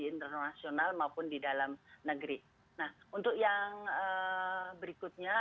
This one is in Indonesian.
internasional maupun di dalam negeri nah untuk yang berikutnya